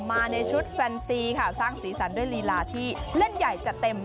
มาในชุดแฟนซีค่ะสร้างสีสันด้วยลีลาที่เล่นใหญ่จัดเต็ม